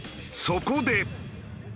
そこで。